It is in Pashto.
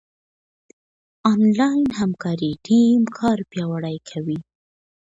انلاين همکاري ټيم کار پياوړی کوي.